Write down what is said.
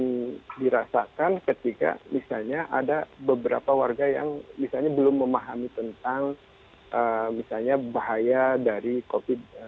dan yang dirasakan ketika misalnya ada beberapa warga yang misalnya belum memahami tentang misalnya bahaya dari covid sembilan belas